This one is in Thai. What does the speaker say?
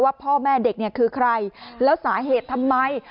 พ่อแม่เด็กเนี่ยคือใครแล้วสาเหตุทำไม